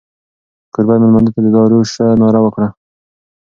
کوربه مېلمنو ته د دارو شه ناره وکړه.